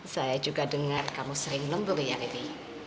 saya juga dengar kamu sering nunggu liang ini